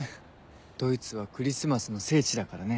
ドイツはクリスマスの聖地だからね。